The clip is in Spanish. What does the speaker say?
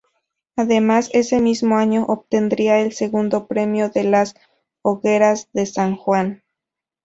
Además, ese mismo año obtendría el segundo premio de las Hogueras de San Juan.